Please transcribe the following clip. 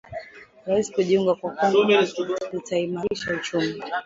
Rais kujiunga kwa Kongo kutaimarisha uchumi